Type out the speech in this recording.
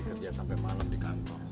kerja sampe malem di kantong